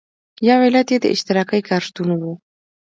یو علت یې د اشتراکي کار شتون و.